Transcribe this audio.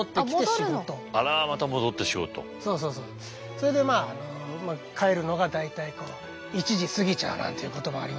それでまあ帰るのが大体こう１時過ぎちゃうなんていうこともありますね。